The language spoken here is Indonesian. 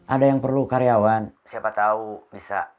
ada yang perlu karyawan siapa tau bisa